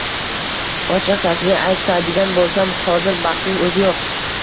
Ochiqchasiga aytadigan boʻlsam, hozir baxtning oʻzi yoʻq